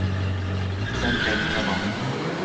Sen kendine bak!